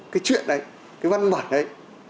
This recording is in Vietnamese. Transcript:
cái chuyện ấy cái văn bản ấy